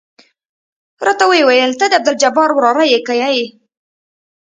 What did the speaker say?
راته ويې ويل ته د عبدالجبار وراره يې که يه.